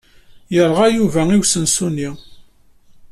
Yerɣa Yuba i usensu-nni.